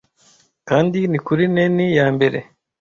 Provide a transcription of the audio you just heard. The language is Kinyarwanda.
kandi ni kuri nenni yambere